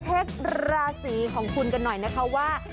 เช็คราศีของคุณกันหน่อยนะคะว่า